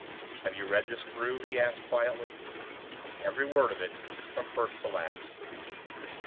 "Have you read this through?" he asked, quietly. "Every word of it, from first to last."